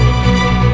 kamu pegang apa tuh